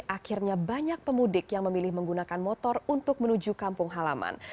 akhirnya banyak pemudik yang memilih menggunakan motor untuk menuju kampung halaman